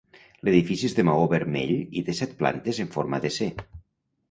L'edifici és de maó vermell i té set plantes en forma de C.